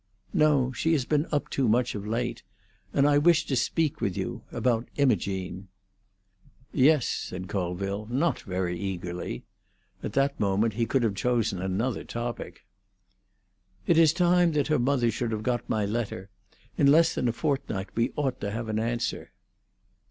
"No. She has been up too much of late. And I wished to speak with you—about Imogene." "Yes," said Colville, not very eagerly. At that moment he could have chosen another topic. "It is time that her mother should have got my letter. In less than a fortnight we ought to have an answer."